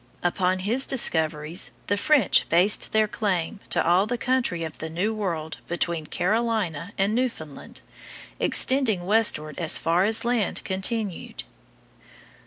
Upon his discoveries the French based their claim to all the country in the New World between Carolina and Newfoundland, extending westward as far as land continued.